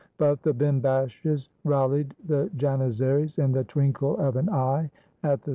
But the bimbashes ral lied the Janizaries in the twinkle of an eye; at the same ' Y torn.